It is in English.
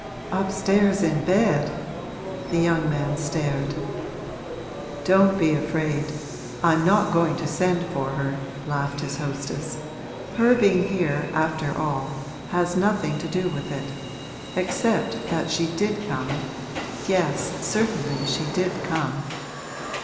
'Upstairs in bed!' The young man stared. 'Don't be afraid I'm not going to send for her!' laughed his hostess; 'her being here, after all, has nothing to do with it, except that she did come yes, certainly, she did come.